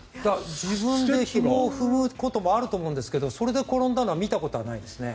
自分でひもを踏むこともあると思うんですがそれで転んだのは見たことないですね。